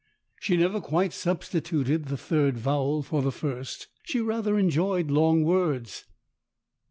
She never quite substituted the third vowel for the first. She rather enjoyed long words.